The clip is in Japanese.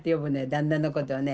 旦那のことをね。